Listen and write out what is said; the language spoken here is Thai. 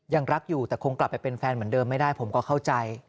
ยังรักอยู่แต่คงกลับไปเป็นแฟนเหมือนเดิมไม่ได้ผมก็เข้าใจ